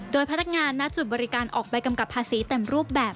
โดยพนักงานณจุดบริการออกใบกำกับภาษีเต็มรูปแบบ